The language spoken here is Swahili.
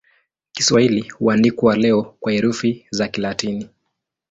Kiswahili huandikwa leo kwa herufi za Kilatini.